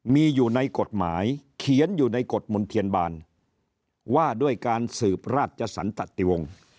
มีอยู่ในกฎหมายเขียนอยู่ในกฎมนเทียนบานว่าด้วยการสืบราชสันตติวงศ์